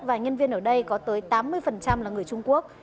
và nhân viên ở đây có tới tám mươi là người trung quốc